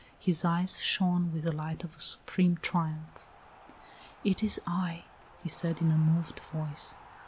His eyes shone with the light of a supreme triumph. "It is I," he said, in a moved voice.